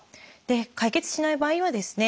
解決しない場合はですね